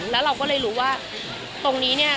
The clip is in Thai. แล้วเราก็เลยรู้ว่าตรงนี้เนี่ย